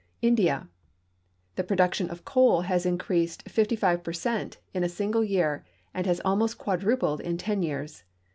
India. The production of coal has increased 55 per cent in a single year and has almost quadrupled in ten*^'ears.